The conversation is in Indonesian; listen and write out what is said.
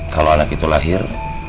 kalau anak itu lahir